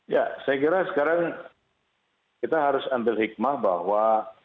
ya saya kira sekarang kita harus ambil hikmah bahwa